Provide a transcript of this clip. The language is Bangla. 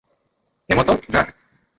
থামো তো, ড্রাক।